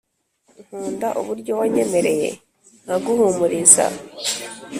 nkunda uburyo wanyemereye nkaguhumuriza